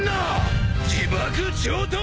自爆上等！